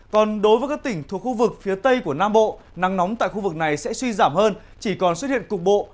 còn đối với các tỉnh thuộc khu vực phía tây của nam bộ nắng nóng tại khu vực này sẽ suy giảm hơn chỉ còn xuất hiện cục bộ